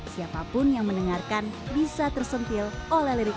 siapapun yang mendengarkan bisa tersentil oleh lirik